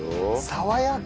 爽やか！